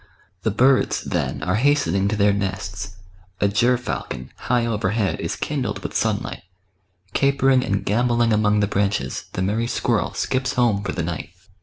The birds then are hastening to their nests, a ger falcon, high overhead, is kindled with sunlight ; capering and gambolling among the branches, the merry squirrel skips home for the night.